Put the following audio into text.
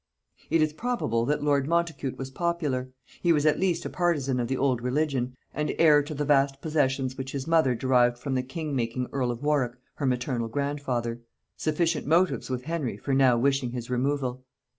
It is probable that lord Montacute was popular; he was at least a partisan of the old religion, and heir to the vast possessions which his mother derived from the king making earl of Warwick her maternal grandfather; sufficient motives with Henry for now wishing his removal.